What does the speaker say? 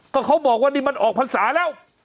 ก็เขาบอกว่านี่มันออกพรรษาแล้ว